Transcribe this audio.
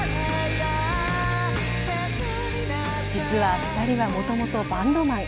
実は２人はもともとバンドマン。